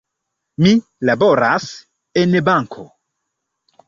Mi laboras en banko.